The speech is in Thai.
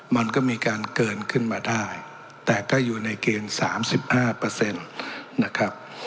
มันก็มีการเกินขึ้นมาได้แต่ก็อยู่ในเกณฑ์๓๕นะครับ